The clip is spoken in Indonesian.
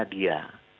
yang ada dia